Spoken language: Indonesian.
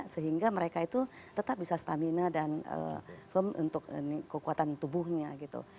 sehingga mereka itu tetap bisa stamina dan firm untuk kekuatan tubuhnya gitu